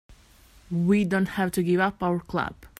We don't have to give up our club.